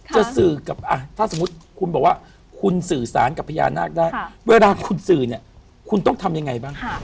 จะสื่อกับถ้าสมมุติคุณบอกว่าคุณสื่อสารกับพญานาคได้เวลาคุณสื่อเนี่ยคุณต้องทำยังไงบ้าง